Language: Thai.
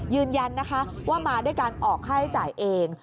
ยืนยันนะคะว่ามาด้วยการออกค่าใช้จ่ายเอง